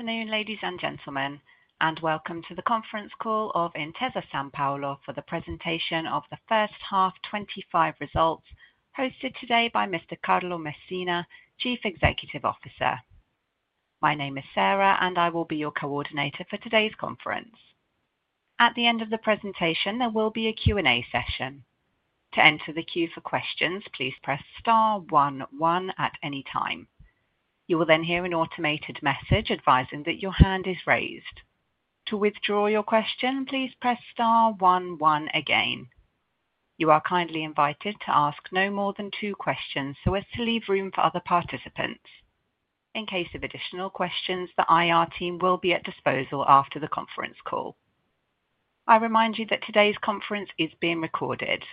Good afternoon, ladies and gentlemen, and welcome to the conference call of Intesa Sanpaolo for the presentation of the first half 2025 results hosted today by Mr. Carlo Messina, Chief Executive Officer. My name is Sarah and I will be your coordinator for today's conference. At the end of the presentation, there will be a Q&A session. To enter the queue for questions, please press star one one at any time. You will then hear an automated message advising that your hand is raised. To withdraw your question, please press star one one again. You are kindly invited to ask no more than two questions so as to leave room for other participants. In case of additional questions, the IR team will be at disposal after the conference call. I remind you that today's conference is being recorded.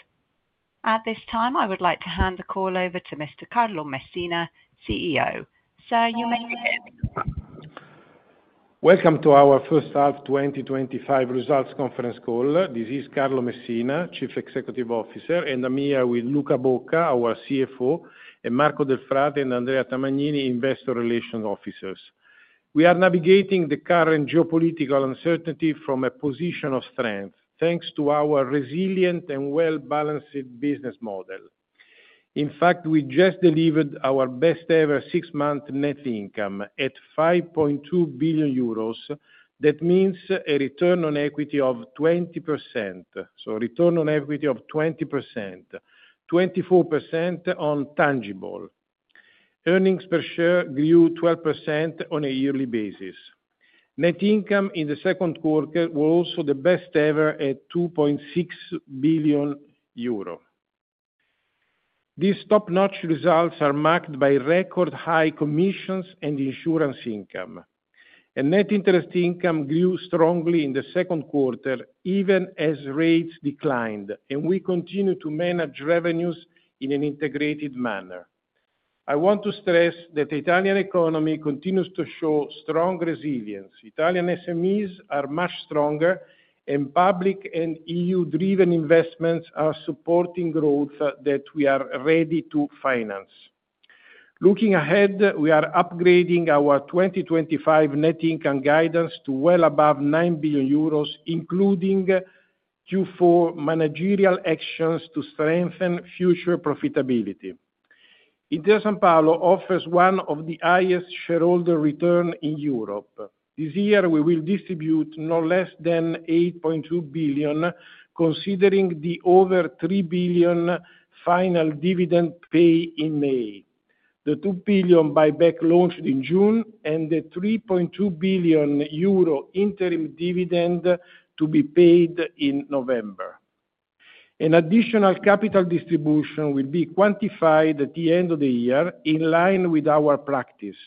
At this time, I would like to hand the call over to Mr. Carlo Messina, who is CEO. Sir, you may begin. Welcome to our First Half 2025 Results Conference Call. This is Carlo Messina, Chief Executive Officer and I'm here with Luca Bocca, our CFO, and Marco Delfrate and Andrea Tamagnini, Investor Relations Officers. We are navigating the current geopolitical uncertainty from a position of strength thanks to our resilient and well-balanced business model. In fact, we just delivered our best ever six-month net income at 5.2 billion euros. That means a return on equity of 20%. Return on equity of 20%, 24% on tangible earnings per share grew 12% on a yearly basis. Net income in the second quarter was also the best ever at 2.6 billion euro. These top notch results are marked by record high commissions and insurance income and net interest income grew strongly in the second quarter even as rates declined. We continue to manage revenues in an integrated manner. I want to stress that the Italian economy continues to show strong resilience, Italian SMEs are much stronger and public and EU-driven investments are supporting growth that we are ready to finance. Looking ahead, we are upgrading our 2025 net income guidance to well above 9 billion euros, including Q4 managerial actions to strengthen future profitability. Intesa Sanpaolo offers one of the highest shareholder returns in Europe. This year we will distribute no less than 8.2 billion considering the over 3 billion final dividend paid in May, the 2 billion buyback launched in June and the 3.2 billion euro interim dividend to be paid in November. An additional capital distribution will be quantified at the end of the year in line with our practice.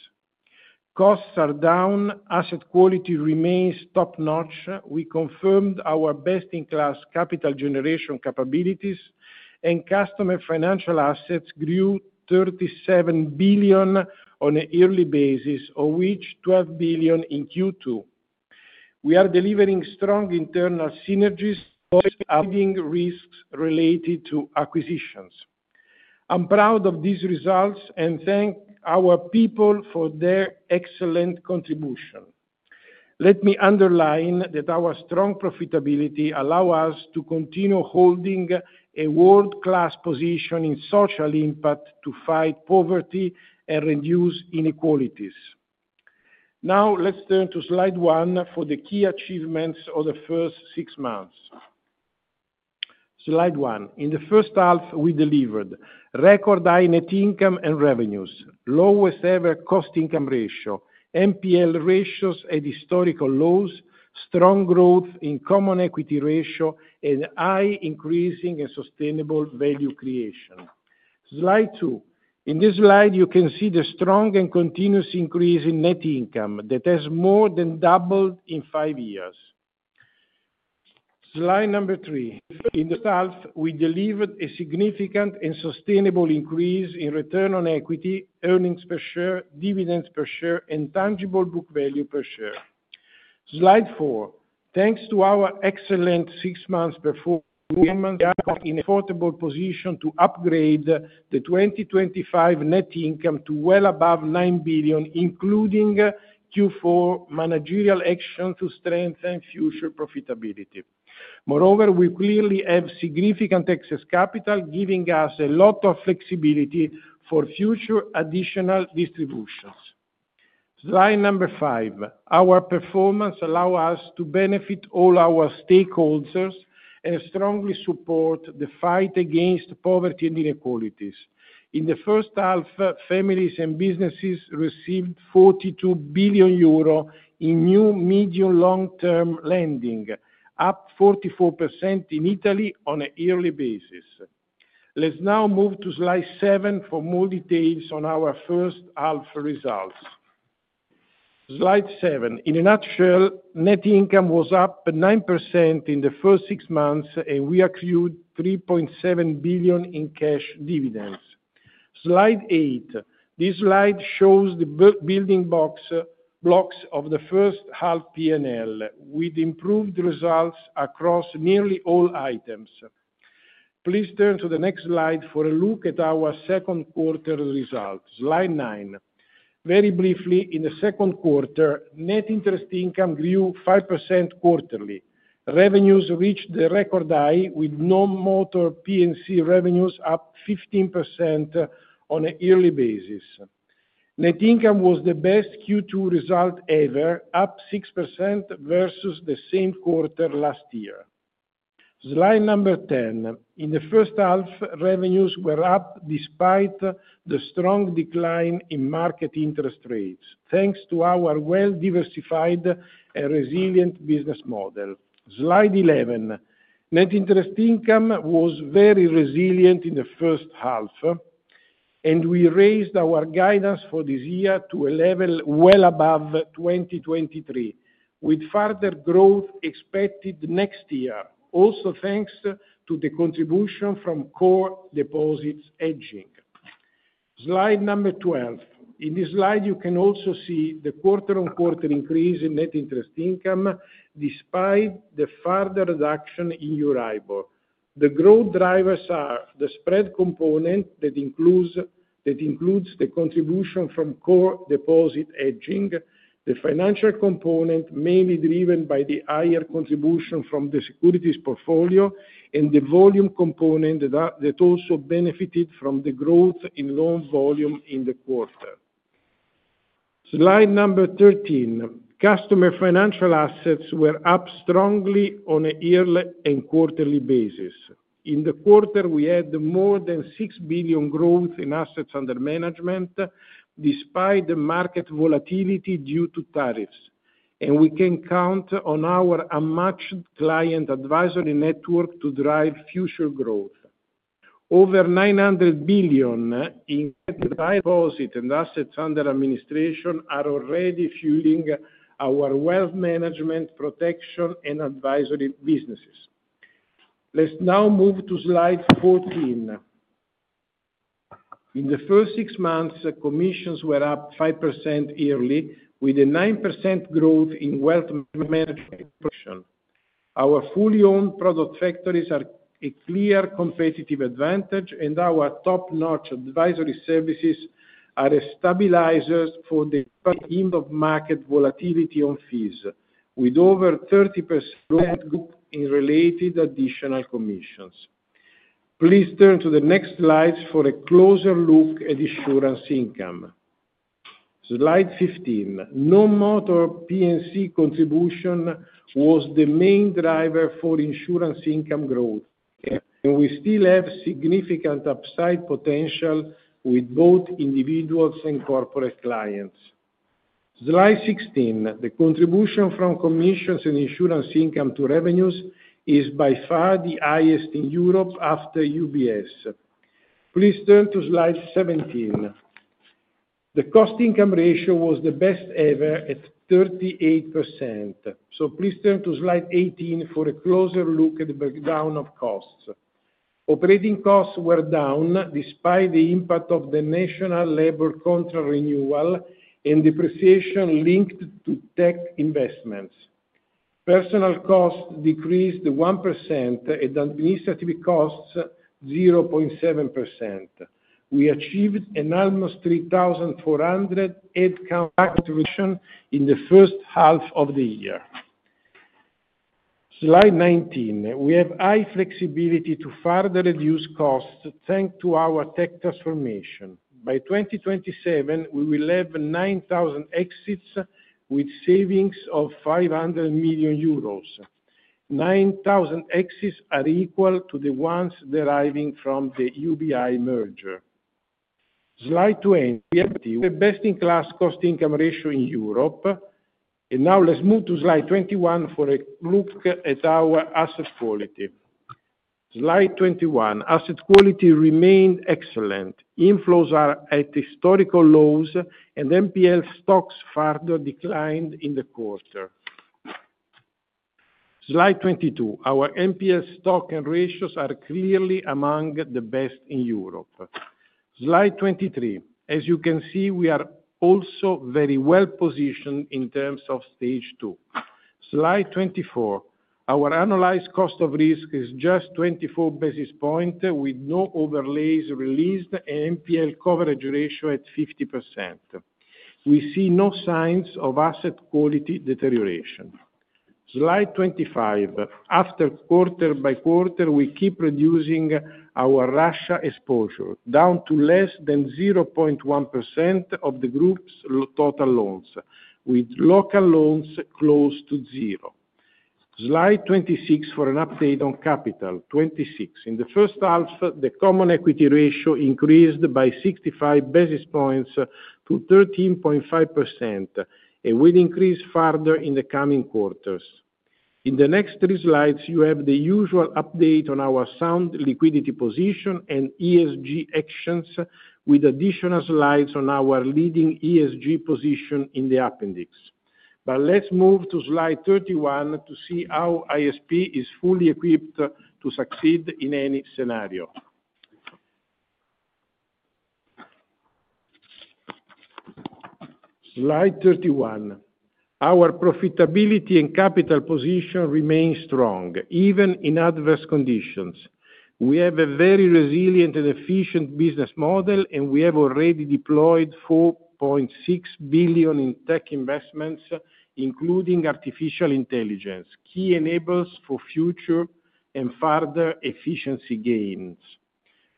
Costs are down, asset quality remains top notch. We confirmed our best in class capital generation capabilities and customer financial assets grew 37 billion on a yearly basis of which 12 billion in Q2. We are delivering strong internal synergies, risks related to acquisitions. I'm proud of these results and thank our people for their excellent contribution. Let me underline that our strong profitability allows us to continue holding a world-class position in social impact to fight poverty and reduce inequalities. Now let's turn to slide one for the key achievements of the first six months. Slide one, in the first half we delivered record high net income and revenues, lowest ever cost/income ratio, NPL ratios at historical lows, strong growth in common equity ratio and high increasing and sustainable value creation. Slide two In this slide you can see the strong and continuous increase in net income that has more than doubled in five years. Slide number three In the south we delivered a significant and sustainable increase in return on equity, earnings per share, dividends per share, and tangible book value per share. Slide four Thanks to our excellent six-month performance, we are currently in an affordable position to upgrade the 2025 net income to well above 9 billion, including Q4 managerial action to strengthen future profitability. Moreover, we clearly have significant excess capital, giving us a lot of flexibility for future additional distributions. Slide number five Our performance allows us to benefit all our stakeholders and strongly support the fight against poverty and inequalities. In the first half, families and businesses received 42 billion euro in new medium long-term lending, up 44% in Italy on a yearly basis. Let's now move to slide seven for more details on our first half results. Slide seven In a nutshell, net income was up 9% in the first six months and we accrued $3.7 billion in cash dividends. Slide eight This slide shows the building blocks of the first half P&L with improved results across nearly all items. Please turn to the next slide for a look at our second quarter result. Slide nine Very briefly, in the second quarter net interest income grew 5%, quarterly revenues reached the record high with non-motor PNC revenues up 15% on a yearly basis, net income was the best Q2 result ever, up 6% versus the same quarter last year. Slide number 10 In the first half, revenues were up despite the strong decline in market interest rates thanks to our well-diversified and resilient business model. Slide 11 Net interest income was very resilient in the first half and we raised our guidance for this year to a level well above 2023 with further growth expected next year also thanks to the contribution from core deposit hedging. Slide number 12 In this slide you can also see the quarter-on-quarter increase in net interest income despite the further reduction in Euribor. The growth drivers are the spread component that includes the contribution from core deposit hedging, the financial component mainly driven by the higher contribution from the securities portfolio, and the volume component that also benefited from the growth in loan volume in the quarter. Slide number 13 Customer financial assets were up strongly on a yearly and quarterly basis. In the quarter we had more than 6 billion growth in assets under management despite the market volatility due to tariffs and we can count on our unmatched client advisory network to drive future growth. Over 900 billion in deposit and assets under administration are already fueling our wealth management, protection, and advisory businesses. Let's now move to slide 14. In the first six months, commissions were up 5% yearly with a 9% growth in wealth management. Our fully owned product factories are a clear competitive advantage and our top-notch advisory services are a stabilizer for the end of market volatility on fees with over 30% in related additional commissions. Please turn to the next slide for a closer look at insurance income. Slide 15, no motor PNC contribution was the main driver for insurance income growth and we still have significant upside potential with both individuals and corporate clients. Slide 16, the contribution from commissions and insurance income to revenues is by far the highest in Europe after UBS. Please turn to slide 17. The cost/income ratio was the best ever at 38%. Please turn to slide 18 for a closer look at the breakdown of costs. Operating costs were down despite the impact of the national labor contract renewal and depreciation linked to tech investments. Personnel costs decreased 1% and administrative costs 0.7%. We achieved an almost 3,400 headcount contribution in the first half of the year. Slide 19, we have high flexibility to further reduce costs thanks to our tech transformation. By 2027 we will have 9,000 exits with savings of 500 million euros. 9,000 exits are equal to the ones deriving from the UBI merger. Slide 20, the best-in-class cost/income ratio in Europe and now let's move to slide 21 for a look at our asset quality. Slide 21, asset quality remained excellent, inflows are at historical lows and NPL stocks further declined in the quarter. Slide 22, our NPL stock and ratios are clearly among the best in Europe. Slide 23, as you can see, we are also very well positioned in terms of stage two. Slide 24, our annualized cost of risk is just 24 basis points with no overlays released. NPL coverage ratio at 50%, we see no signs of asset quality deterioration. Slide 25, after quarter by quarter, we keep reducing our Russia exposure down to less than 0.1% of the group's total loans, with local loans close to zero. Slide 26 for an update on Capital 26 in the first half, the common equity ratio increased by 65 basis points to 13.5% and will increase further in the coming quarters. In the next three slides you have the usual update on our sound, liquidity position and ESG actions, with additional slides on our leading ESG position in the appendix. Let's move to slide 31 to see how Intesa Sanpaolo is fully equipped to succeed in any scenario. Slide 31 our profitability and capital position remains strong even in adverse conditions. We have a very resilient and efficient business model and we have already deployed 4 billion in tech investments including artificial intelligence, key enablers for future and further efficiency gains.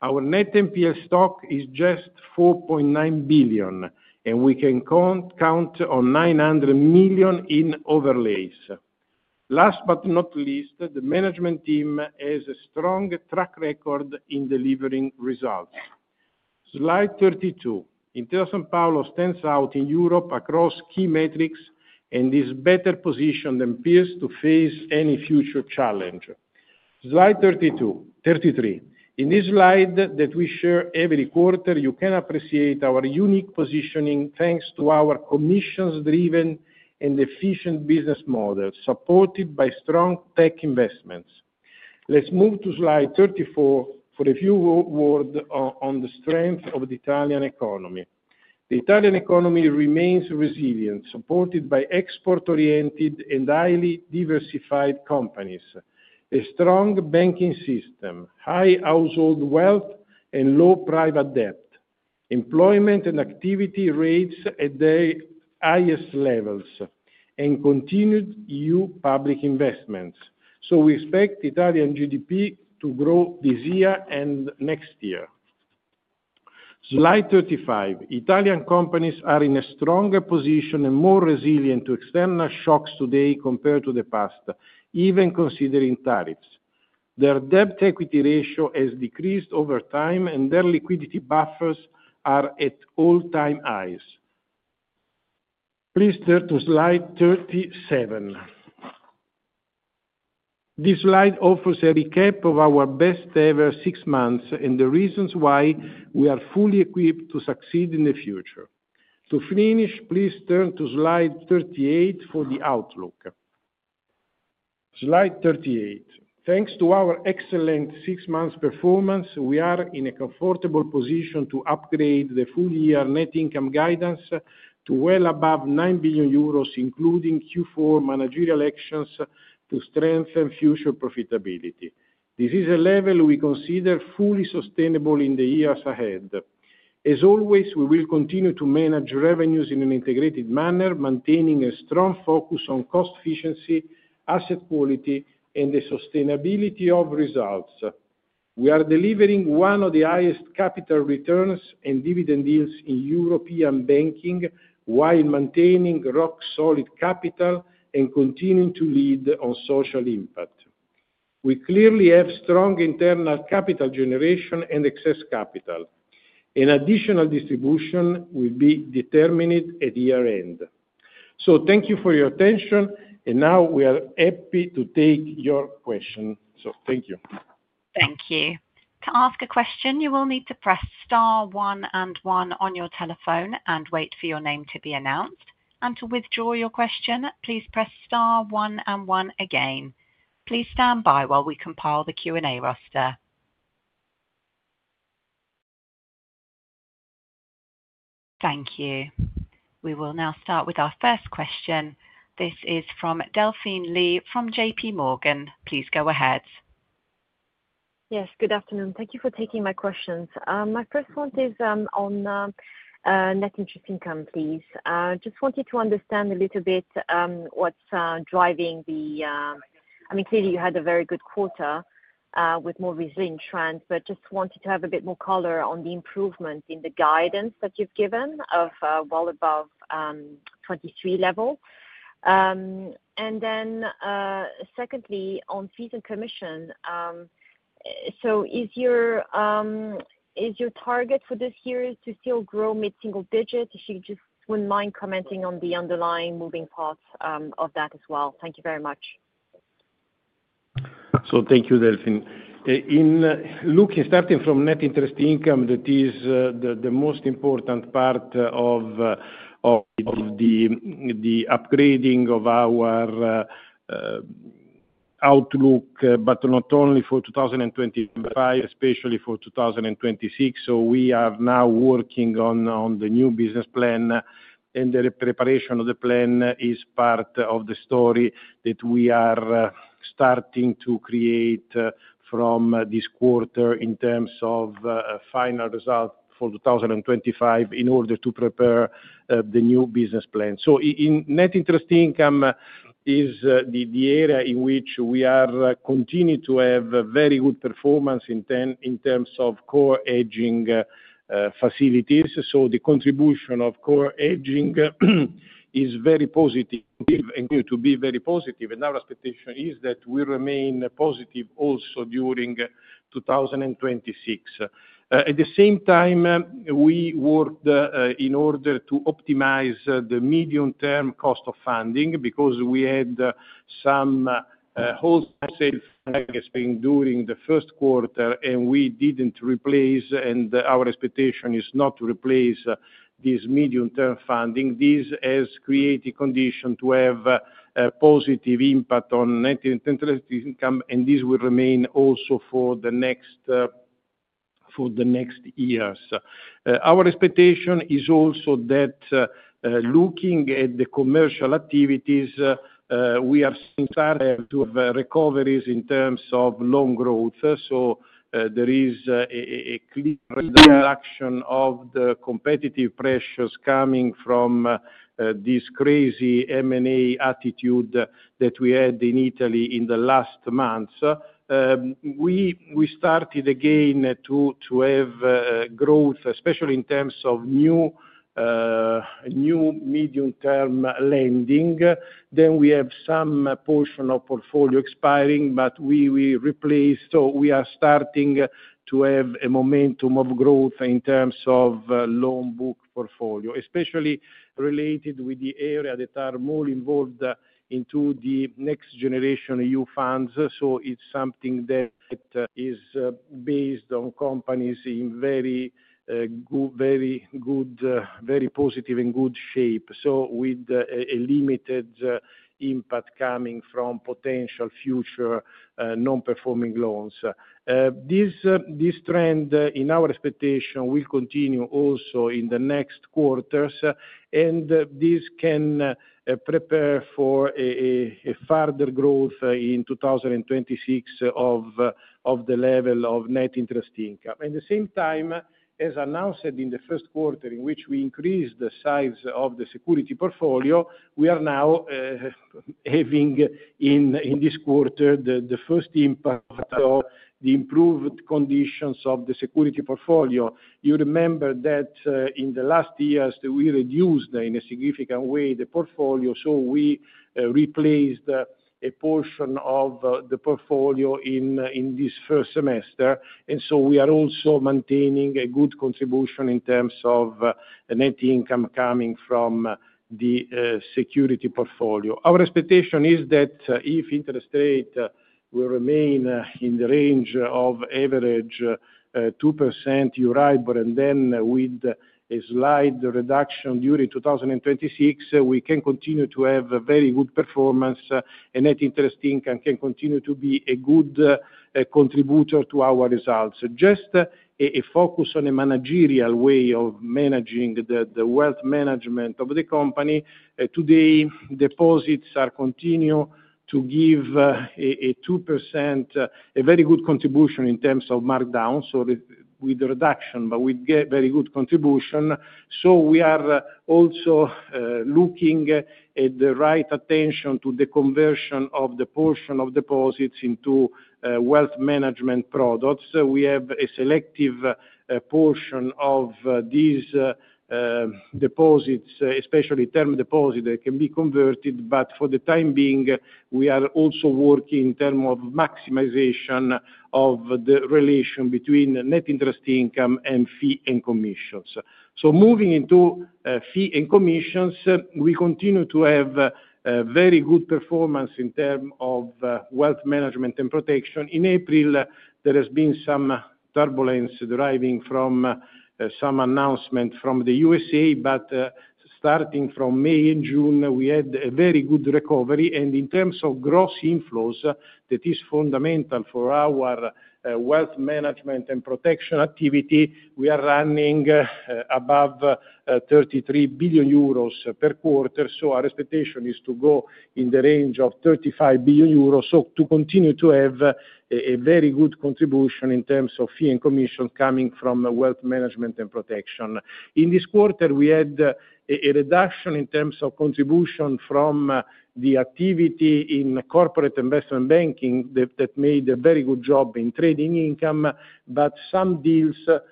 Our net NPL stock is just 4.9 billion and we can count on 900 million in overlays. Last but not least, the management team has a strong track record in delivering results. Slide 32 Intesa Sanpaolo stands out in Europe across key metrics and is better positioned than peers to face any future challenge. Slide 32-33 in this slide that we share every quarter, you can appreciate our unique positioning thanks to our commissions-driven and efficient business model supported by strong tech investments. Let's move to slide 34 for a few words on the strength of the Italian economy. The Italian economy remains resilient, supported by export-oriented and highly diversified companies, a strong banking system, high household wealth and low private debt, employment and activity rates at the highest levels and continued new public investments. We expect Italian GDP to grow this year and next year. Slide 35 Italian companies are in a stronger position and more resilient to external shocks today compared to the past. Even considering tariffs, their debt to equity ratio has decreased over time and their liquidity buffers are at all-time highs. Please turn to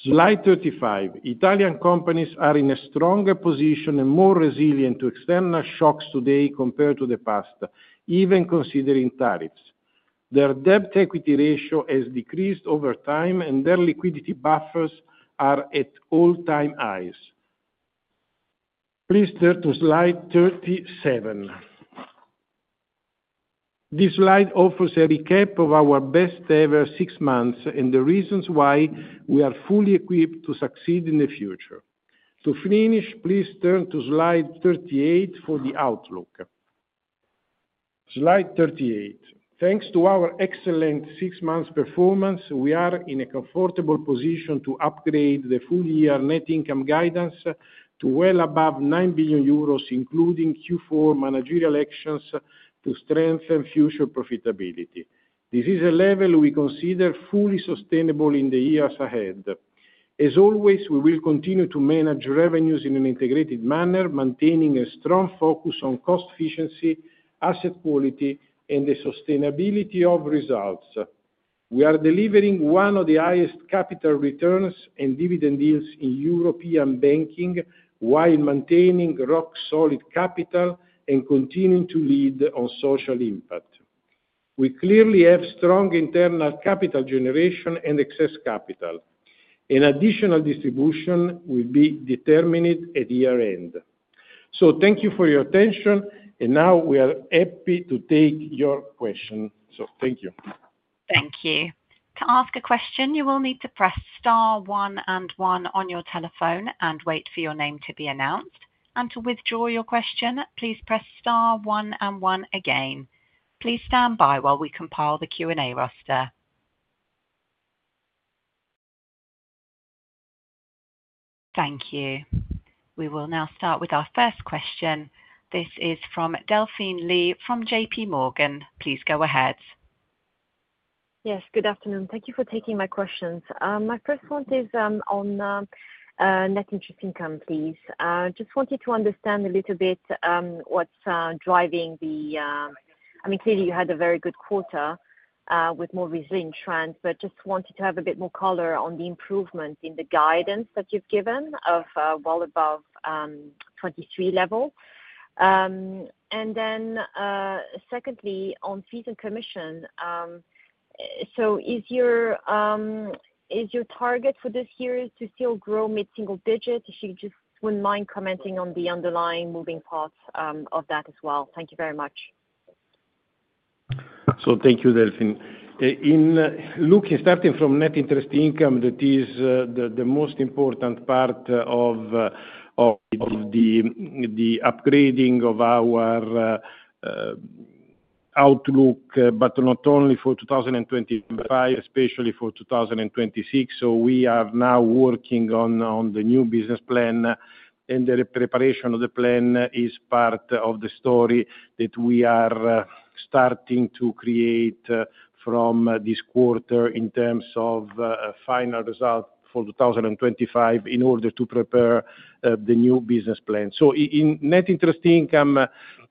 slide 37. This slide offers a recap of our best ever six months and the reasons why we are fully equipped to succeed in the future. To finish, please turn to slide 38 for the outlook. Slide 38 thanks to our excellent six months performance, we are in a comfortable position to upgrade the full year net income guidance to well above 9 billion euros including Q4 managerial actions to strengthen future profitability. This is a level we consider fully sustainable in the years ahead. As always, we will continue to manage revenues in an integrated manner, maintaining a strong focus on cost efficiency, asset quality, and the sustainability of results. We are delivering one of the highest capital returns and dividend deals in European banking while maintaining rock solid capital and continuing to lead on social impact. We clearly have strong internal capital generation and excess capital. An additional distribution will be determined at year end. Thank you for your attention, and now we are happy to take your question. Thank you. Thank you. To ask a question you will need to press Star one and one on your telephone and wait for your name to be announced. To withdraw your question, please press Star one and one again. Please stand by while we compile the Q and A roster. Thank you. We will now start with our first question. This is from Delphine Lee from J.P. Morgan. Please go ahead. Yes, good afternoon. Thank you for taking my questions. My first one is on net interest income. Please just wanted to understand a little bit what's driving the, I mean, clearly you had a very good quarter with more resilient trends, but just wanted to have a bit more color on the improvement in the guidance that you've given of well above 2023 level and then secondly on fees and commission. Is your target for this year to still grow mid single digits? If you just wouldn't mind commenting on the underlying moving part of that as well. Thank you very much. Thank you, Delphine. In looking, starting from net interest income, that is the most important part of the upgrading of our outlook, but not only for 2025, especially for 2026. We are now working on the new business plan, and the preparation of the plan is part of the story that we are starting to create from this quarter in terms of final result for 2025 in order to prepare the new business plan. Net interest income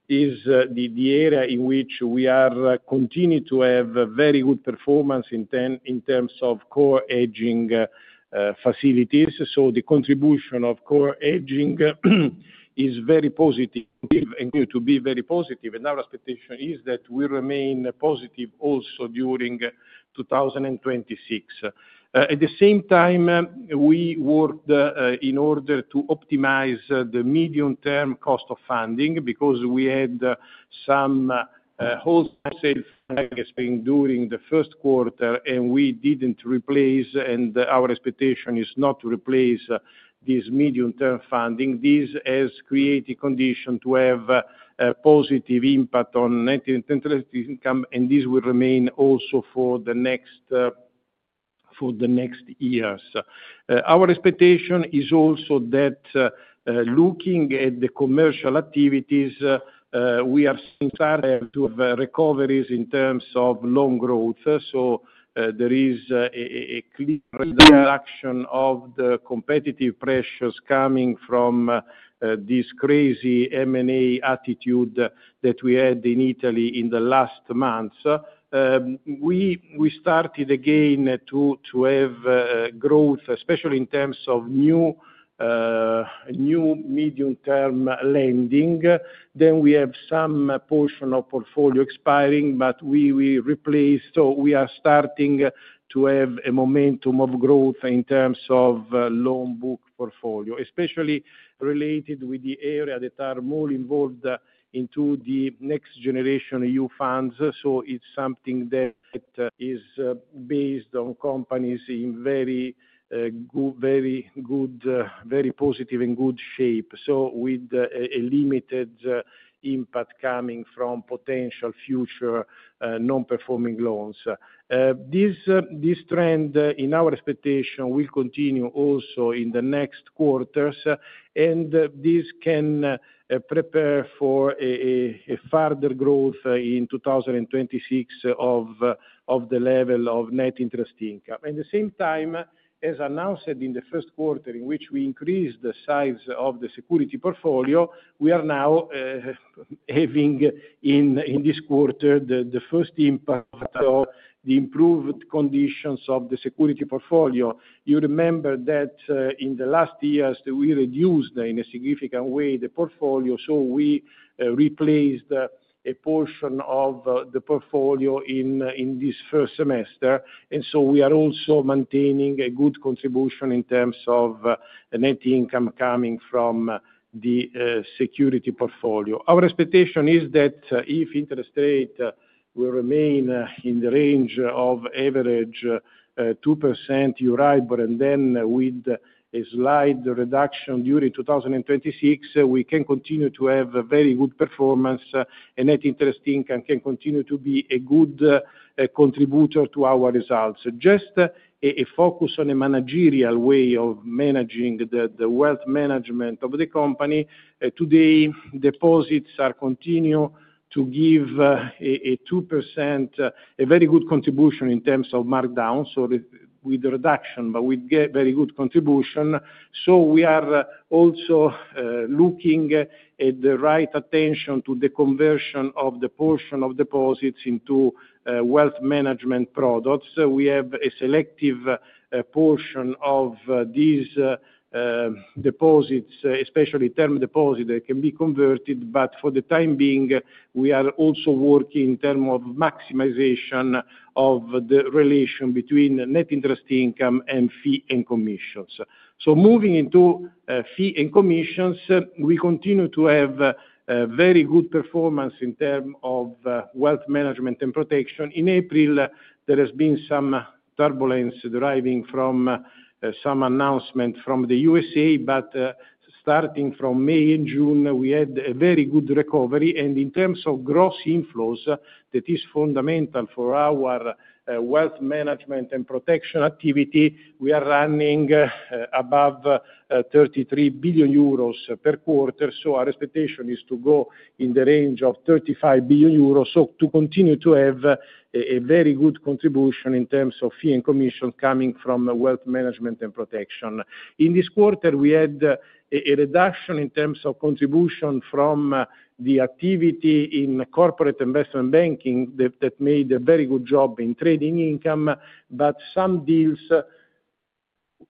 is the area in which we are continuing to have very good performance in terms of core aging facilities. The contribution of core aging is very positive, and our expectation is that we remain positive also during 2026. At the same time, we worked in order to optimize the medium-term cost of funding because we had some wholesale funding during the first quarter and we did not replace, and our expectation is not to replace this medium-term funding. This has created condition to have a positive impact on net interest income, and this will remain also for the next years. Our expectation is also that, looking at the commercial activities, we are seeing recoveries in terms of loan growth. There is a clear reduction of the competitive pressures coming from this crazy M&A attitude that we had in Italy in the last months. We started again to have growth, especially in terms of new medium-term lending, then we have some portion of portfolio expiring, but we replaced. We are starting to have a momentum of growth in terms of loan booked portfolio, especially related with the area that are more involved into the Next Generation EU funds. It is something that is based on companies in very good, very positive and good shape, with a limited impact coming from potential future non-performing loans. This trend, in our expectation, will continue also in the next quarters, and this can prepare for further growth in 2026 of the level of net interest income. At the same time, as announced in the first quarter, in which we increased the size of the securities portfolio, we are now having in this quarter the first impact of the improved conditions of the securities portfolio. You remember that in the last years we reduced in a significant way the portfolio. We replaced a portion of the portfolio in this first semester, and we are also maintaining a good contribution in terms of net income coming from the securities portfolio. Our expectation is that if interest rate will remain in the range of average 2%, you ride. With a slight reduction during 2026, we can continue to have a very good performance and net interest income can continue to be a good contributor to our results. Just a focus on a managerial way of managing the wealth management of the company. Today deposits continue to give a 2% very good contribution in terms of markdown. With reduction, we get very good contribution. We are also looking at the right attention to the conversion of the portion of deposits into wealth management products. We have a selective portion of these deposits, especially term deposits that can be converted. For the time being we are also working in terms of maximization of the relation between net interest income and fee and commission. Moving into fee and commissions, we continue to have very good performance in terms of wealth management and protection. In April there has been some turbulence deriving from some announcement from the U.S.A. Starting from May and June, we had a very good recovery. In terms of gross inflows, that is fundamental for our wealth management and protection activity, we are running above 33 billion euros per quarter. Our expectation is to go in the range of 35 billion euros. To continue to have a very good contribution in terms of fee and commission coming from wealth management and protection. In this quarter we had a reduction in terms of contribution from the activity in corporate investment banking that made a very good job in trading income. Some deals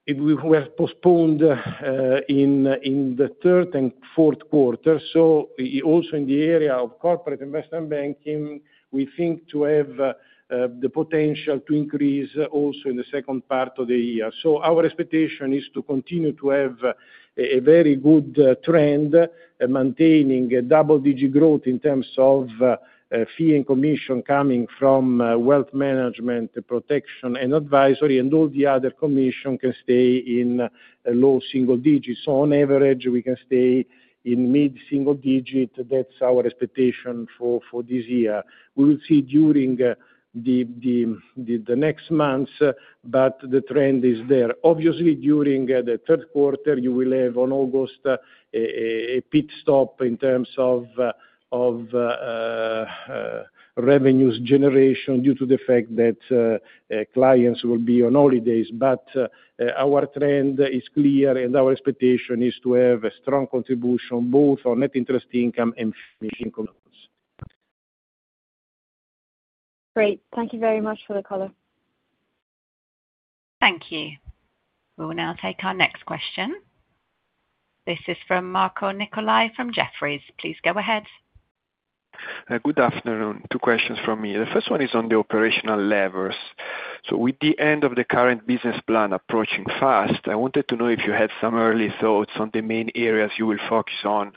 were postponed in the third and fourth quarter. Also in the area of corporate investment banking, we think to have the potential to increase also in the second part of the year. Our expectation is to continue to have a very good trend maintaining a double-digit growth in terms of fee and commission coming from wealth management, protection and advisory and all the other commission can stay in low single digits on average. We can stay in mid single digit. That is our expectation for this year. We will see during the next months. The trend is there obviously during the third quarter. You will have on August a pit stop in terms of revenues generation due to the fact that clients will be on holidays. Our trend is clear and our expectation is to have a strong contribution both on net interest income and income loans. Great. Thank you very much for the colour. Thank you. We will now take our next question. This is from Marco Nicolai from Jefferies. Please go ahead. Good afternoon. Two questions from me. The first one is on the operational levers. With the end of the current business plan approaching fast, I wanted to know if you had some early thoughts on the main areas you will focus on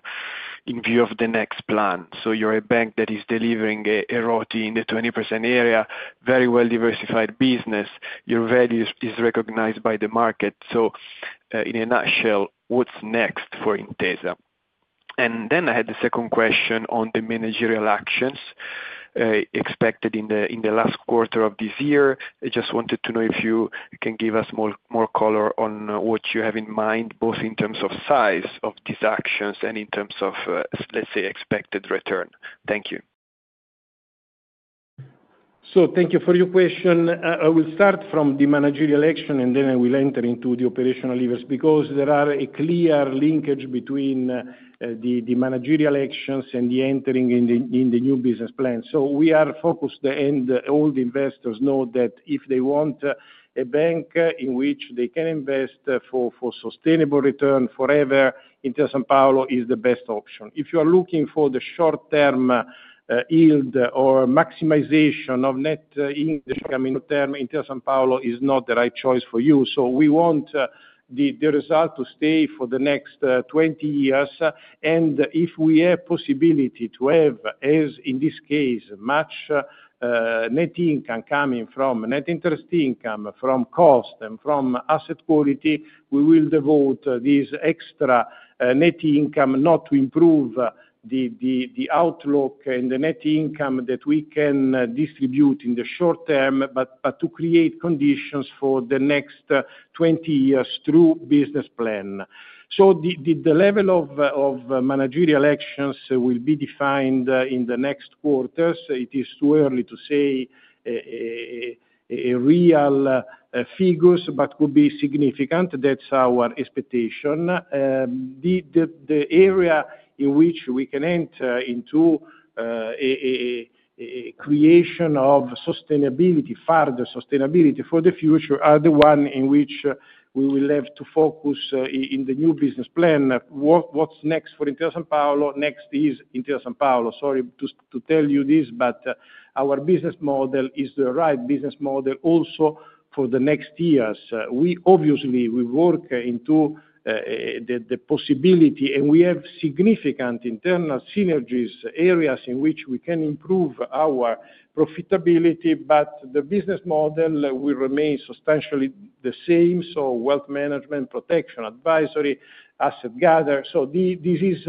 in view of the next plan. You are a bank that is delivering a ROI in the 20% area. Very well diversified business. Your value is recognized by the market. In a nutshell, what's next for Intesa? I had the second question on the managerial actions expected in the last quarter of this year. I just wanted to know if you can give us more color on what you have in mind both in terms of size of these actions and in terms of, let's say, expected return. Thank you. Thank you for your question. I will start from the managerial action and then I will enter into the operational levers because there is a clear linkage between the managerial actions and entering in the new business plan. We are focused and all the investors know that if they want a bank in which they can invest for sustainable return forever, Intesa Sanpaolo is the best option. If you are looking for the short-term yield or maximization of net income, Intesa Sanpaolo is not the right choice for you. We want the result to stay for the next 20 years and if we have possibility to have, as in this case, much net income coming from net interest income, from cost and from asset quality, we will devote this extra net income not to improve the outlook and the net income that we can distribute in the short term, but to create conditions for the next 20 years through business plan. The level of managerial actions will be defined in the next quarters. It is too early to say real figures, but could be significant. That is our expectation. The area in which we can enter into creation of sustainability, further sustainability for the future, are the ones in which we will have to focus in the new business plan. What's next for Intesa Sanpaolo? Next is Intesa Sanpaolo, sorry to tell you this, but our business model is the right business model also for the next years. We obviously work into the possibility and we have significant internal synergies, areas in which we can improve our profitability, but the business model will remain substantially the same. Wealth management, protection, advisory, asset gather. This is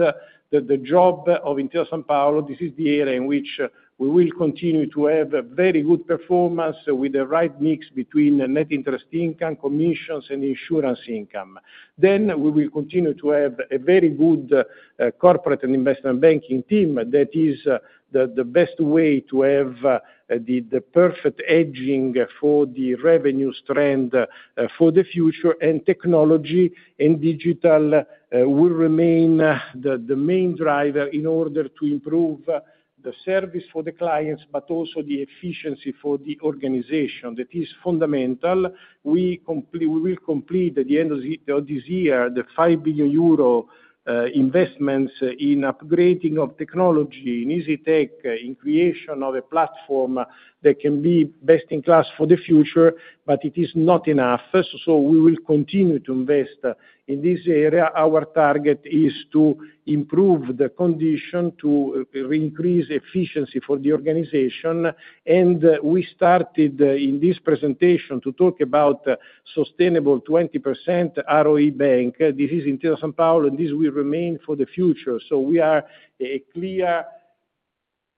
the job of Intesa Sanpaolo. This is the area in which we will continue to have very good performance with the right mix between net interest income, commissions, and insurance income. We will continue to have a very good corporate and investment banking team. That is the best way to have the perfect hedging for the revenue strength for the future. Technology and digital will remain the main driver in order to improve the service for the clients, but also the efficiency for the organization that is fundamental. We will complete at the end of this year the 5 billion euro investments in upgrading of technology, in EasyTech, in creation of a platform that can be best in class for the future. It is not enough. We will continue to invest in this area. Our target is to improve the condition to increase efficiency for the organization. We started in this presentation to talk about sustainable 20% ROE Bank. This is Intesa Sanpaolo and this will remain for the future. We are a clear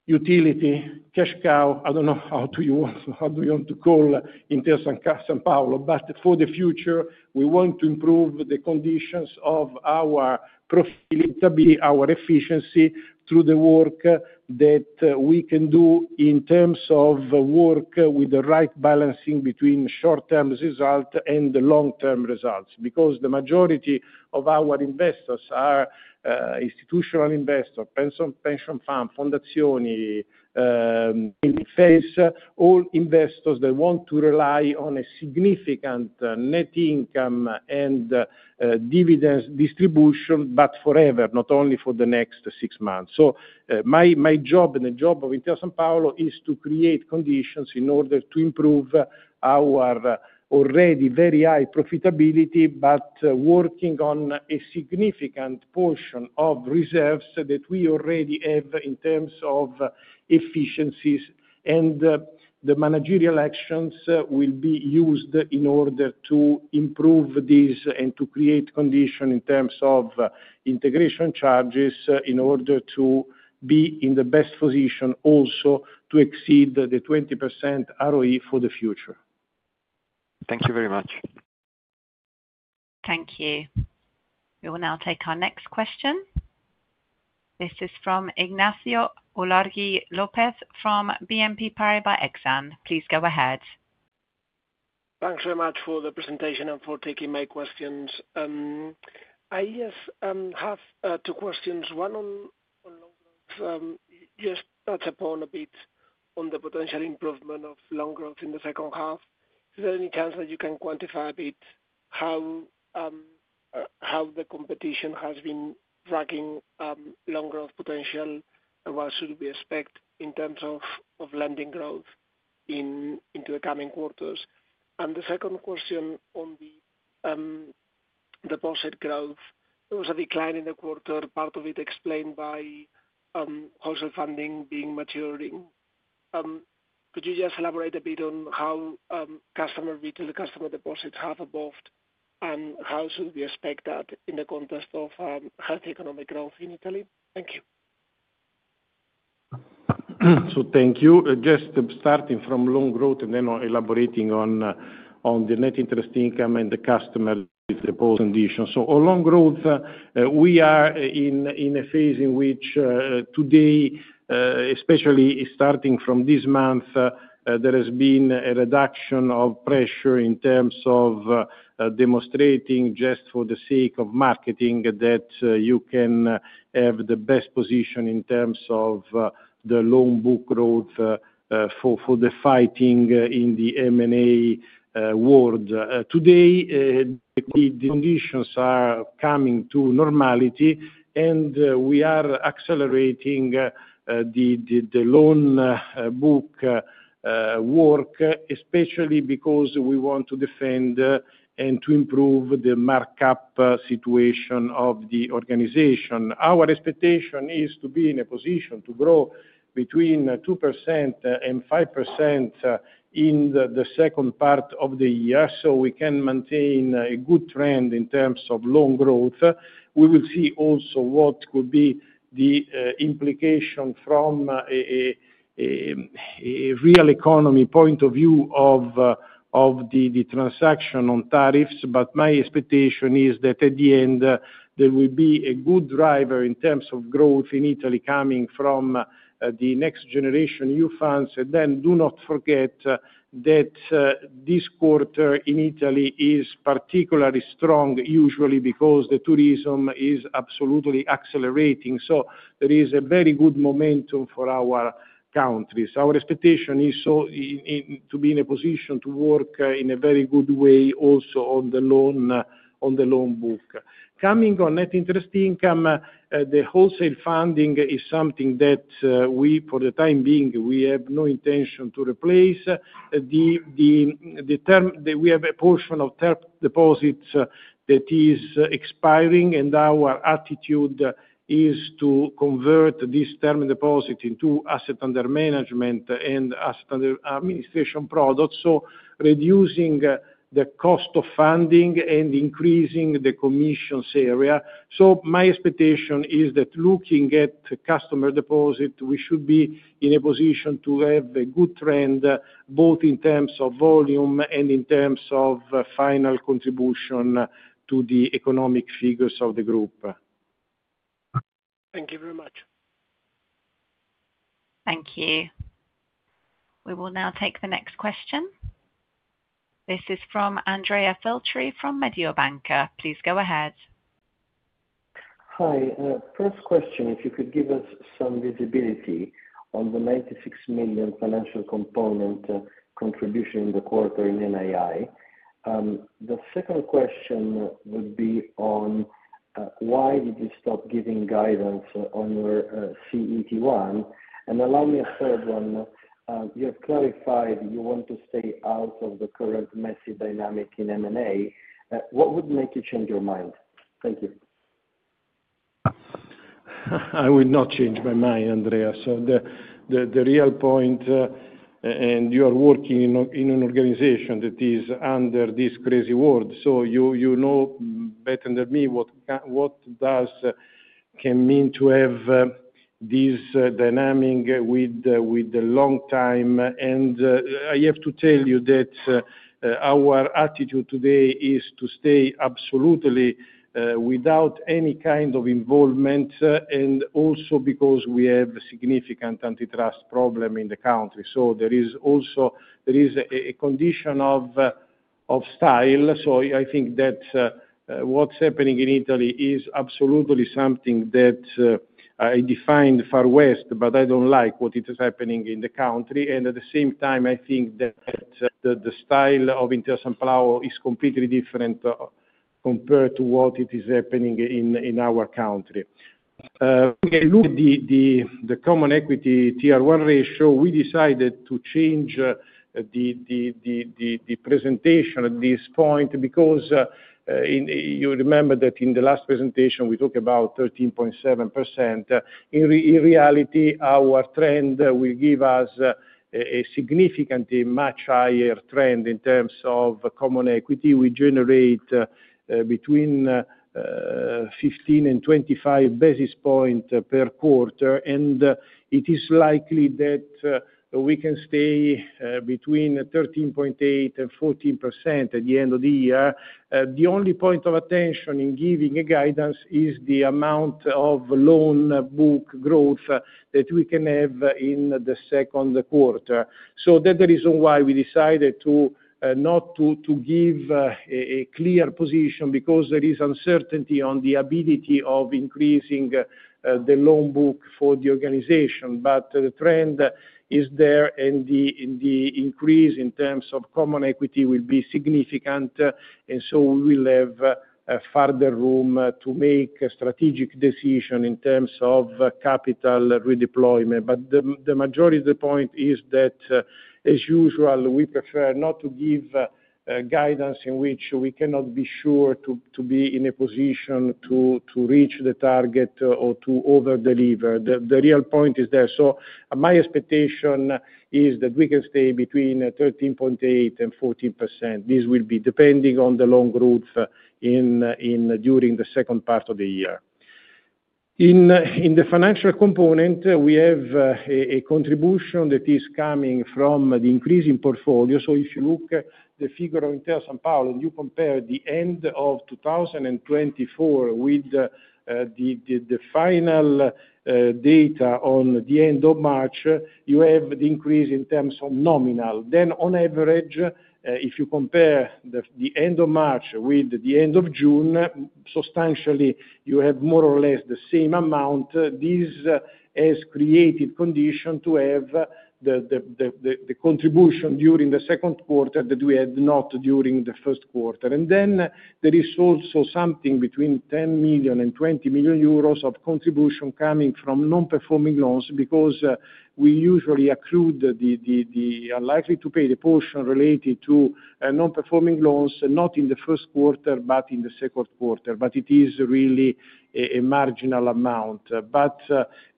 utility cash cow. I don't know how you want to call Intesa Sanpaolo, but for the future we want to improve the conditions of our profitability, our efficiency through the work that we can do in terms of work with the right balancing between short term result and the long term results. The majority of our investors are institutional investors, pension funded. All investors that want to rely on a significant net income and dividends distribution, but forever, not only for the next six months. My job and the job of Intesa Sanpaolo is to create conditions in order to improve our already very high profitability, but working on a significant portion of reserves that we already have in terms of efficiencies. The managerial actions will be used in order to improve these and to create conditions in terms of integration charges in order to be in the best position, also to exceed the 20% ROE for the future. Thank you very much. Thank you. We will now take our next question. This is from Ignacio Olargi Lopez from BNP Paribas. Please go ahead. Thanks very much for the presentation and for taking my questions. I just have two questions. One on loan growth. Just touch upon a bit on the potential improvement of loan growth in the second half. Is there any chance that you can quantify a bit how the competition has been tracking loan growth potential? What should we expect in terms of lending growth into the coming quarters? The second question on the deposit growth, there was a decline in the quarter, part of it explained by wholesale funding being maturing. Could you just elaborate a bit on how retail customer deposits have evolved and how should we expect that in the context of healthy economic growth in Italy? Thank you. Thank you. Just starting from loan growth and then elaborating on the net interest income and the customer deposit conditions. On loan growth, we are in a phase in which today, especially starting from this month, there has been a reduction of pressure in terms of demonstrating, just for the sake of marketing, that you can have the best position in terms of the loan book growth for the fighting in the M&A world. Today the conditions are coming to normality and we are accelerating the loan book work especially because we want to defend and to improve the markup situation of the organization. Our expectation is to be in a position to grow between 2% and 5% in the second part of the year so we can maintain a good trend in terms of loan growth. We will see also what could be the implication from real economy point of view of the transaction on tariffs. My expectation is that at the end there will be a good driver in terms of growth in Italy coming from the next generation EU funds. Do not forget that this quarter in Italy is particularly strong usually because the tourism is absolutely accelerating. There is a very good momentum for our countries. Our expectation is to be in a position to work in a very good way. Also on the loan book coming on net interest income. The wholesale funding is something that we, for the time being, we have no intention to replace. We have a portion of term deposits that is expiring and our attitude is to convert this term deposit into asset under management and asset administration products, so reducing the cost of funding and increasing the commissions area. My expectation is that looking at customer deposit, we should be in a position to have a good trend both in terms of volume and in terms of final contribution to the economic figures of the group. Thank you very much. Thank you. We will now take the next question. This is from Andrea Filtri from Mediobanca. Please go ahead. Hi, first question. If you could give us some visibility on the 96 million financial component contribution in the quarter in NII. The second question would be on why did you stop giving guidance on your CET1. And allow me a third one. You have clarified you want to stay out of the current messy dynamic in M&A. What would make you change your mind? Thank you. I will not change my mind, Andrea. The real point, and you are working in an organization that is under this crazy world, so you know better than me what this can mean to have this dynamic with a long time. I have to tell you that our attitude today is to stay absolutely without any kind of involvement, also because we have a significant antitrust problem in the country. There is a condition of style. I think that what is happening in Italy is absolutely something that I define as Far West. I do not like what is happening in the country. At the same time, I think that the style of Intesa is completely different compared to what is happening in our country. The Common Equity Tier 1 ratio, we decided to change the presentation at this point because you remember that in the last presentation we talked about 13.7%. In reality, our trend will give us a significantly much higher trend in terms of common equity. We generate between 15 and 25 basis points per quarter, and it is likely that we can stay between 13.8%-14% at the end of the year. The only point of attention in giving a guidance is the amount of loan book growth that we can have in the second quarter. That is the reason why we decided not to give a clear position, because there is uncertainty on the ability of increasing the loan book for the organization. The trend is there, and the increase in terms of common equity will be significant. We will have further room to make a strategic decision in terms of capital redeployment. The majority of the point is that, as usual, we prefer not to give guidance in which we cannot be sure to be in a position to reach the target or to over deliver. The real point is there. My expectation is that we can stay between 13.8%-14%. This will be depending on the loan growth during the second part of the year. In the financial component, we have a contribution that is coming from the increase in portfolio. If you look at the figure of Intesa, compare the end of 2024 with the final data on the end of March, you have the increase in terms of nominal. If you compare the end of March with the end of June, substantially, you have more or less the same amount. This has created condition to have the contribution during the second quarter that we had not during the first quarter. There is also something between 10 million-20 million euros of contribution coming from non-performing loans. Because we usually accrued the unlikely to pay, the portion related to non-performing loans, not in the first quarter but in the second quarter. It is really a marginal amount.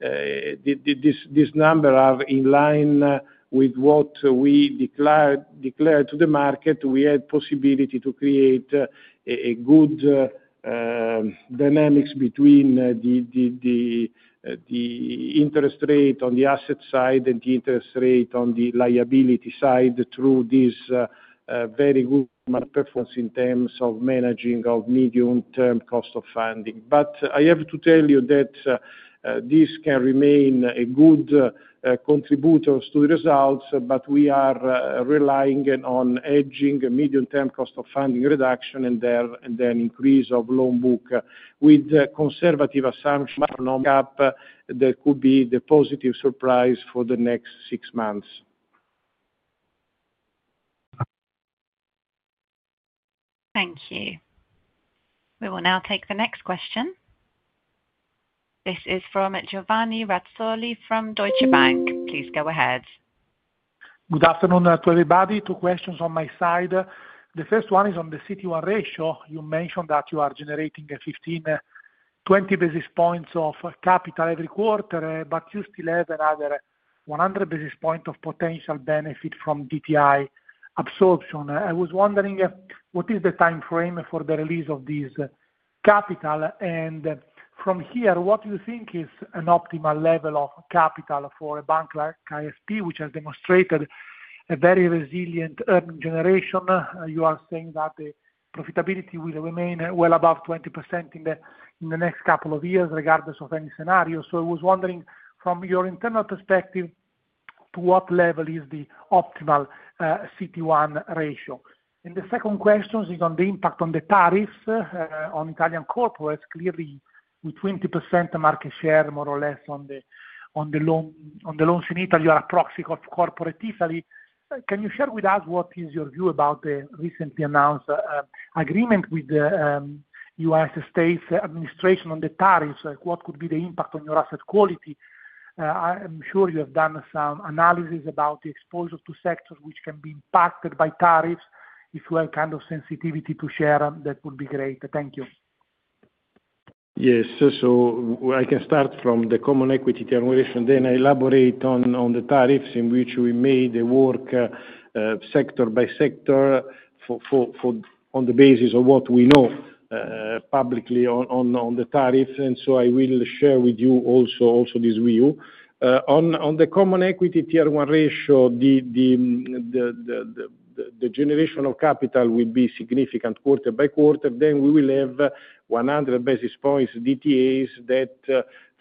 These numbers are in line with what we declared to the market. We had possibility to create a good dynamics between the interest rate on the asset side and the interest rate on the liability side through this very good performance in terms of managing of medium-term cost of funding. I have to tell you that this can remain a good contributor to the results. We are relying on hedging medium-term cost of funding reduction and then increase of loan book with conservative assumptions. That could be the positive surprise for the next six months. Thank you. We will now take the next question. This is from Giovanni Razzoli from Deutsche Bank. Please go ahead. Good afternoon to everybody. Two questions on my side. The first one is on the CET1 ratio. You mentioned that you are generating 1,520 basis points of capital every quarter. You still have another 100 basis points of potential benefit from DTA absorption. I was wondering what is the time frame for the release of this capital? From here, what do you think is an optimal level of capital for a bank like ISP, which has demonstrated a very resilient earning generation? You are saying that the profitability will remain well above 20% in the next couple of years, regardless of any scenario. I was wondering from your internal perspective, to what level is the optimal CET1 ratio? The second question is on the impact on the tariffs on Italian corporates. Clearly, with 20% market share more or less on the loans in Italy, you are a proxy of corporate Italy. Can you share with us what is your view about the recently announced agreement with the U.S. administration on the tariffs? What could be the impact on your asset quality? I am sure you have done some analysis about the exposure to sectors which can be impacted by tariffs. If you are kind of sensitive to share, that would be great. Thank you. Yes. I can start from the common equity termination, then elaborate on the tariffs in which we made the work sector by sector on the basis of what we know publicly on the tariff. I will share with you also this view on the Common Equity Tier 1 ratio. The generation of capital will be significant quarter by quarter. We will have 100 basis points DTAs that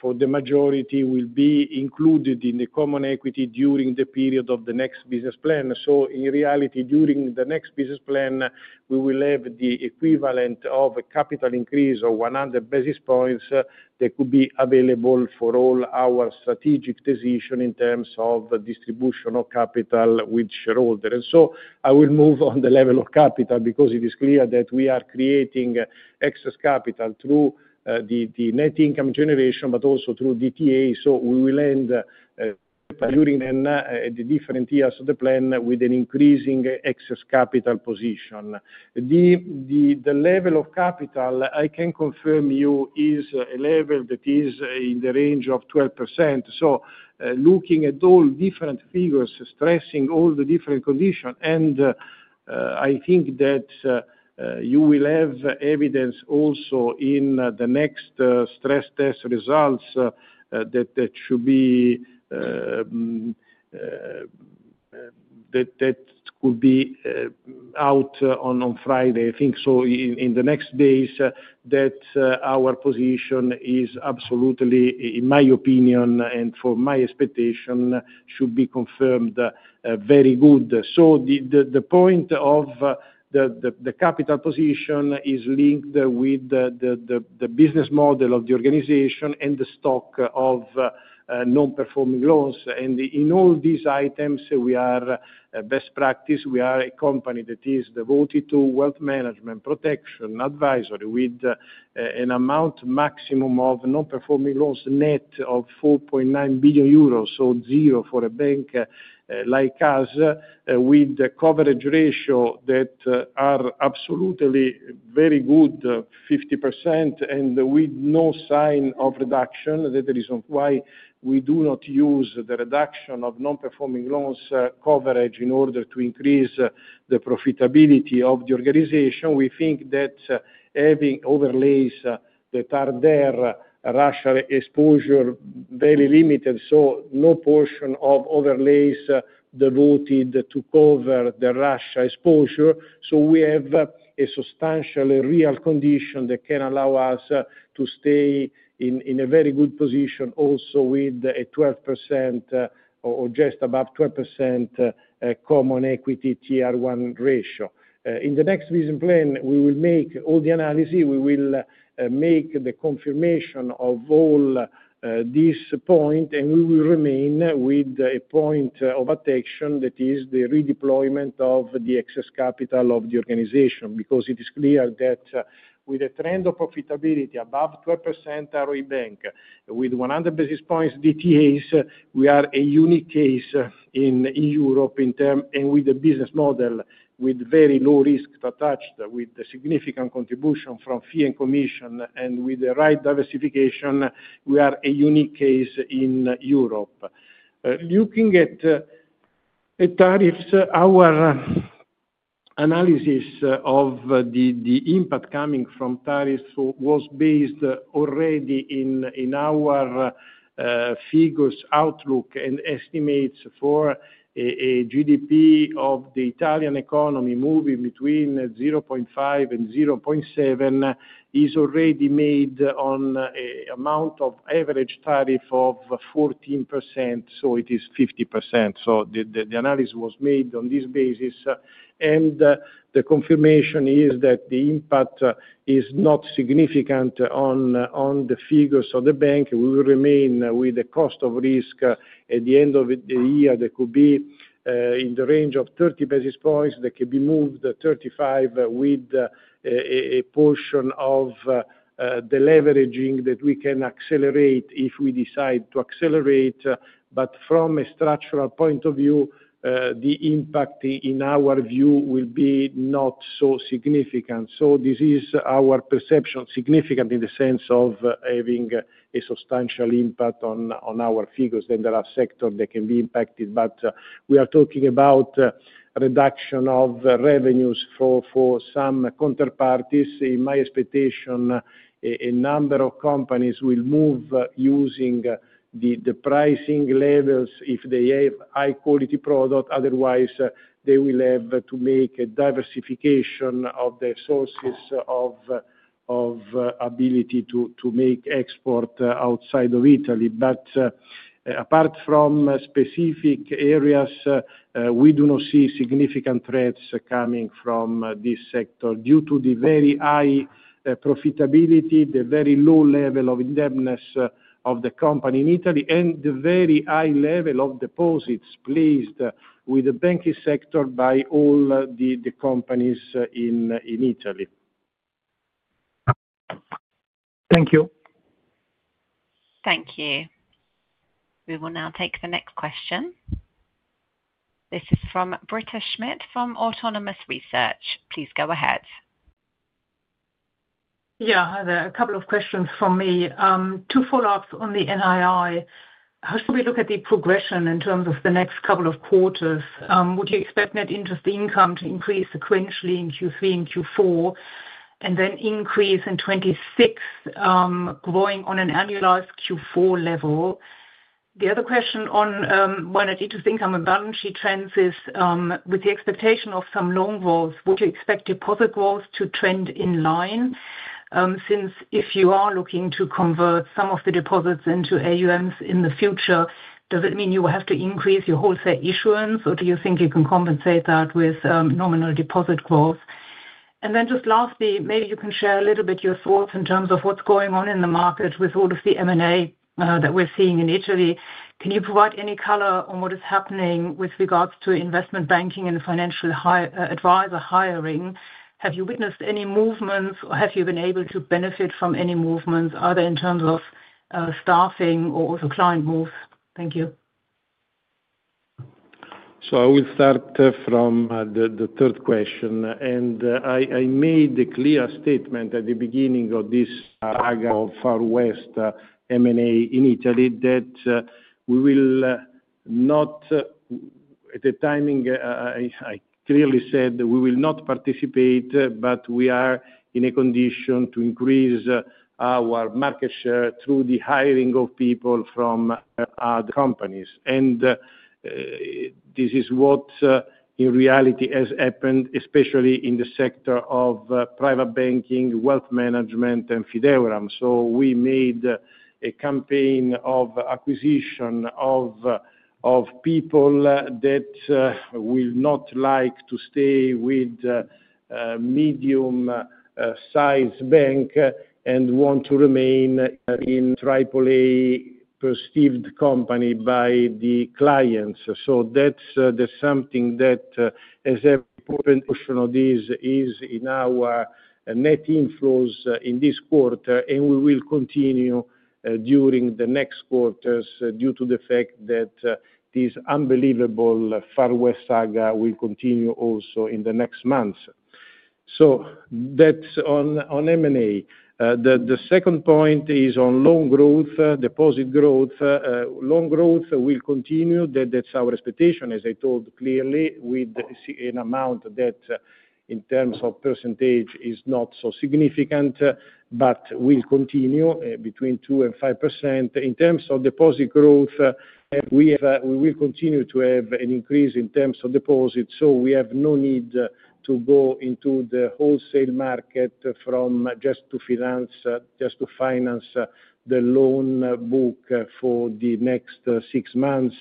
for the majority will be included in the common equity during the period of the next business plan. In reality, during the next business plan we will have the equivalent of a capital increase of 100 basis points that could be available for all our strategic decision in terms of distribution of capital with shareholders. I will move on the level of capital because it is clear that we are creating excess capital through the net income generation, but also through DTA. We will end during the different years of the plan with an increasing excess capital position. The level of capital I can confirm to you is a level that is in the range of 12%. Looking at all different figures, stressing all the different conditions. I think that you will have evidence also in the next stress test results that should be, that could be out on Friday, I think. In the next days, our position is absolutely in my opinion and for my expectation should be confirmed. Very good. The point of the capital position is linked with the business model of the organization and the stock of non-performing loans. In all these items we are best practice. We are a company that is devoted to wealth management, protection, advisory with an amount maximum of non-performing loans net of 4.9 billion euros. Zero for a bank like us with the coverage ratio that are absolutely very good, 50%, and with no sign of reduction. That is the reason why we do not use the reduction of non-performing loans coverage in order to increase the profitability of the organization. We think that having overlays that are there, Russia exposure very limited. No portion of overlays devoted to cover the Russia exposure. We have a substantial real condition that can allow us to stay in a very good position, also with a 12% or just above 12% Common Equity Tier 1 ratio. In the next vision plan we will make all the analysis. We will make the confirmation of all this point and we will remain with a point of attention that is the redeployment of the excess capital of the organization. Because it is clear that with a trend of profitability above 12% ROE, bank with 100 basis points DTAs. We are a unique case in Europe in terms and with the business model with very low risk attached, with the significant contribution from fee and commission and with the right diversification. We are a unique case in Europe looking at tariffs. Our analysis of the impact coming from tariffs was based already in our figures. Outlook and estimates for a GDP of the Italian economy moving between 0.5-0.7 is already made on amount of average tariff of 14%. It is 50%. The analysis was made on this basis and the confirmation is that the impact is not significant on the figures of the bank. We will remain with the cost of risk at the end of the year. That could be in the range of 30 basis points that can be moved 35 with a portion of the leveraging that we can accelerate if we decide to accelerate. From a structural point of view, the impact in our view will be not so significant. This is our perception, significant in the sense of having a substantial impact on our figures. There are sectors that can be impacted. We are talking about reduction of revenues for some counterparties. In my expectation, a number of companies will move using the pricing levels if they have high quality product. Otherwise, they will have to make a diversification of their sources of ability to make export outside of Italy. Apart from specific areas, we do not see significant threats coming from this sector due to the very high profitability, the very low level of indebtedness of the company in Italy, and the very high level of deposits placed with the banking sector by all the companies in Italy. Thank you. Thank you. We will now take the next question. This is from Britta Schmidt from Autonomous Research. Please go ahead. Yeah, hi there. A couple of questions from me. Two follow-ups on the NII. How should we look at the progression in terms of the next couple of quarters? Would you expect net interest income to increase accordingly sequentially in Q3 and Q4 and then increase in 2026 growing on an annualized Q4 level? The other question on one income and balance sheet trends is with the expectation of some loan growth, would you expect deposit growth to trend in line? Since if you are looking to convert some of the deposits into AUMs in the future, does it mean you will have to increase your wholesale issuance or do you think you can compensate that with nominal deposit growth? Lastly, maybe you can share a little bit your thoughts in terms of what's going on in the market with all of the M&A that we're seeing in Italy. Can you provide any color on what is happening with regards to investment banking and financial advisor hiring? Have you witnessed any movements or have you been able to benefit from any movements either in terms of staffing or client moves? Thank you. I will start from the third question. I made a clear statement at the beginning of this Far West M&A in Italy that we will not, at the timing, I clearly said we will not participate, but we are in a condition to increase our market share through the hiring of people from other companies. This is what in reality has happened, especially in the sector of private banking, wealth management, and Fideuram. We made a campaign of acquisition of people that will not like to stay with medium-sized banks and want to remain in a triple A perceived company by the clients. Something that is important is in our net inflows in this quarter, and we will continue during the next quarters due to the fact that this unbelievable Far West saga will continue also in the next months. That is on M&A. The second point is on loan growth. Deposit growth, loan growth will continue. That is our expectation, as I told clearly, with an amount that in terms of percentage is not so significant but will continue between 2%-5%. In terms of deposit growth, we will continue to have an increase in terms of deposits. We have no need to go into the wholesale market just to finance the loan book for the next six months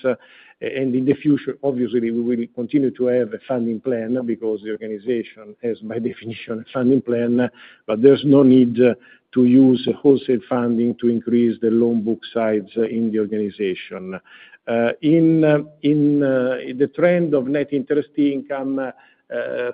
and in the future. Obviously, we will continue to have a funding plan because the organization has by definition a funding plan, but there is no need to use wholesale funding to increase the loan book size in the organization. In the trend of net interest income,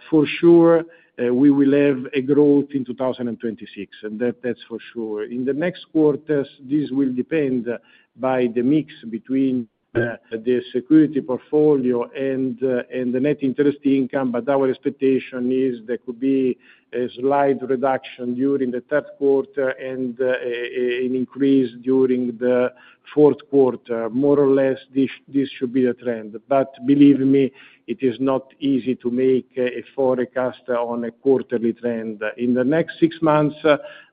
for sure we will have a growth in 2026, and that is for sure in the next quarters. This will depend on the mix between the securities portfolio and the net interest income, but our expectation is there could be a slight reduction during the third quarter and an increase during the fourth quarter, more or less. This should be the trend. Believe me, it is not easy to make a forecast on a quarterly trend in the next six months.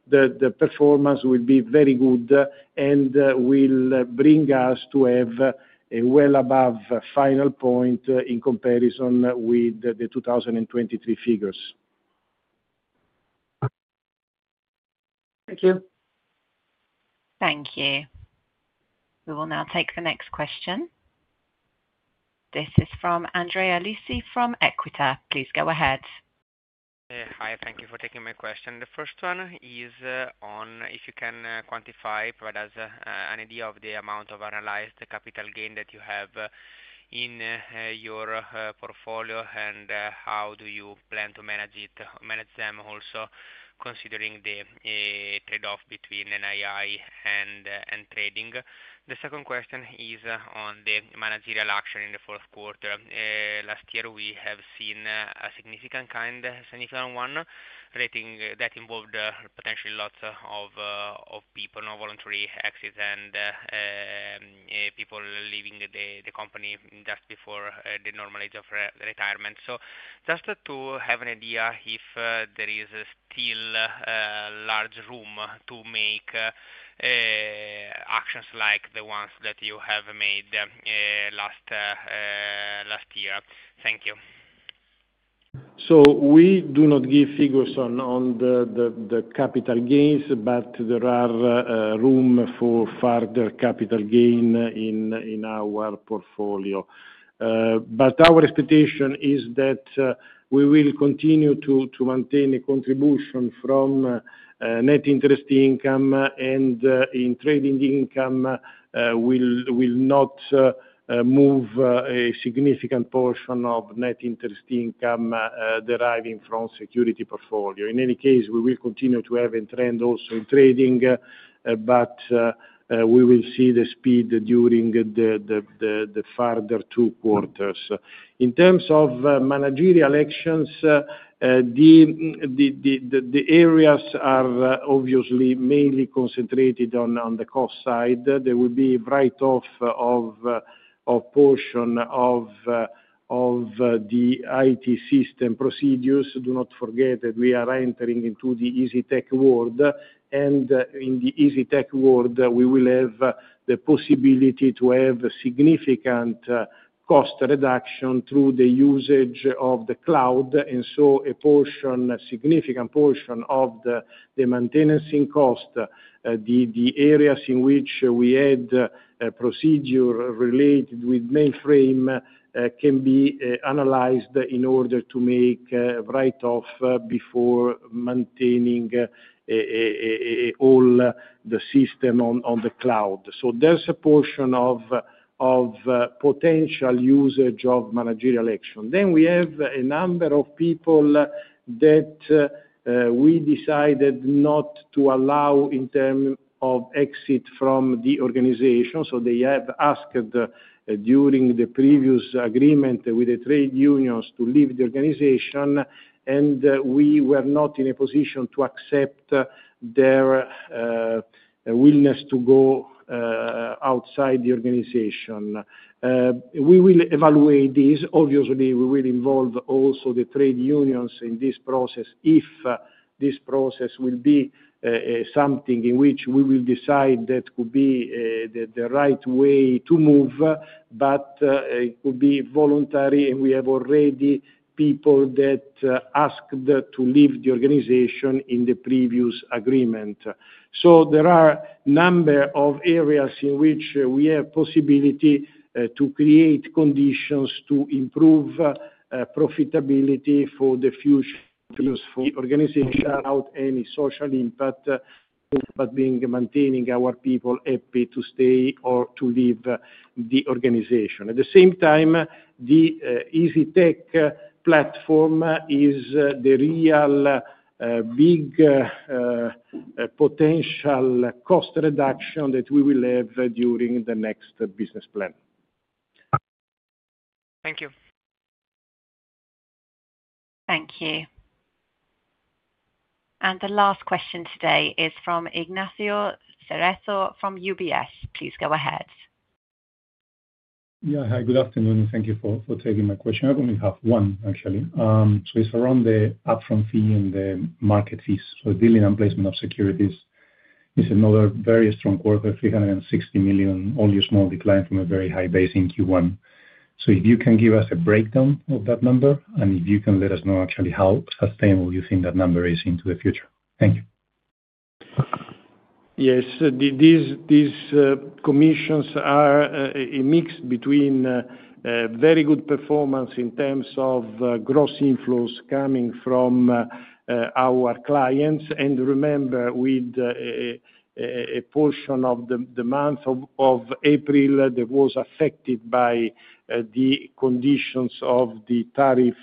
The performance will be very good and will bring us to have a well above final point in comparison with the 2023 figures. Thank you. Thank you. We will now take the next question. This is from Andrea Lisi from Equita. Please go ahead. Hi. Thank you for taking my question. The first one is on if you can quantify providers. An idea of the amount of analyzed capital gain that you have in your portfolio and how do you plan to manage it? Manage them. Also considering the trade off between NII and trading. The second question is on the managerial action in the fourth quarter last year we have seen a significant kind significant one rating that involved potentially lots of people, no voluntary exits and people leaving the company just before the normal age of retirement. Just to have an idea if there is still large room to make actions like the ones that you have made last year. Thank you. We do not give figures on the capital gains but there are room for further capital gains in our portfolio. Our expectation is that we will continue to maintain a contribution from net interest income and in trading income will not move a significant portion of net interest income deriving from securities portfolio. In any case, we will continue to have a trend also in trading, but we will see the speed during the further two quarters. In terms of managerial actions, the areas are obviously mainly concentrated on the cost side. There will be write off of portion of the IT system procedures. Do not forget that we are entering into the EasyTech world. In the EasyTech world we will have the possibility to have significant cost reduction through the usage of the cloud. A portion, a significant portion of the maintenance in cost. The areas in which we had procedure related with mainframe can be analyzed in order to make write off before maintaining all the system on the cloud. There is a portion outside the organization. We will evaluate this. Obviously, we will involve also the trade unions in this process. If this process will be something in which we will decide, that could be the right way to move, but it could be voluntary. We have already people that asked to leave the organization in the previous agreement. There are a number of areas in which we have possibility to create conditions to improve profitability for the future for organizations without any social impact, but maintaining our people happy to stay or to leave the organization. At the same time, the EasyTech platform is the real big potential cost reduction that we will have during the next business plan. Thank you. Thank you. The last question today is from Ignacio Cerezo from UBS. Please go ahead. Yeah. Hi, good afternoon. Thank you for taking my question. I only have one actually. It is around the upfront fee and the market fees. Dealing and placement of securities is another very strong quarter, 360 million. Only a small decline from a very high base in Q1. If you can give us a breakdown of that number and if you can let us know actually how sustainable you think that number is into the future. Thank you. Yes, these commissions are a mix between very good performance in terms of gross inflows coming from our clients and remember with a portion of the month of April that was affected by the conditions of the tariff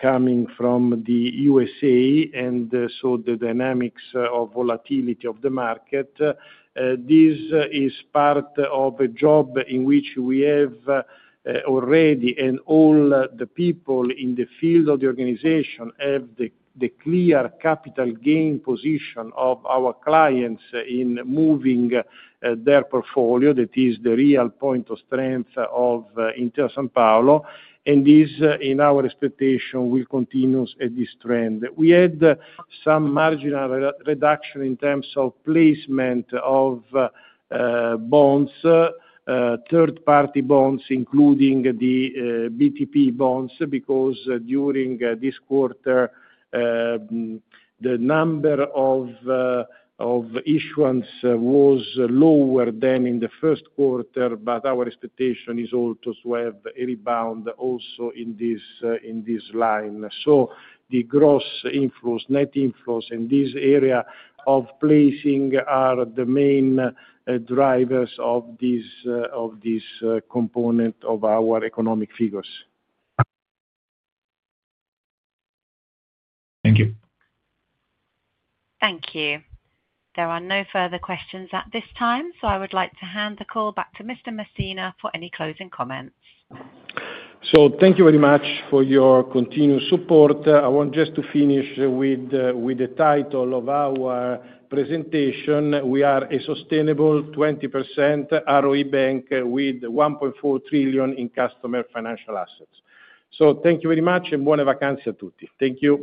coming from the U.S. and the dynamics of volatility of the market. This is part of a job in which we have already and all the people in the field of the organization have the clear capital gain position of our clients in moving their portfolio. That is the real point of strength of Intesa Sanpaolo, and this in our expectation will continue at this trend. We had some marginal reduction in terms of placement of bonds, third party bonds including the BTP bonds because during this quarter the number of issuance was lower than in the first quarter. Our expectation is also to have a rebound also in this line. The gross inflows, net inflows in these areas placing are the main drivers of this component of our economic figures. Thank you. Thank you. There are no further questions at this time, so I would like to hand the call back to Mr. Messina for any closing comments. Thank you very much for your continued support. I want to just to finish with the title of our presentation. We are a sustainable 20% ROE bank with 1.4 trillion in customer financial assets. Thank you very much and buona vacanza a tutti. Thank you.